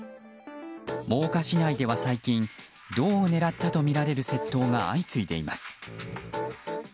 真岡市内では最近銅を狙ったとみられる窃盗が相次いでいます。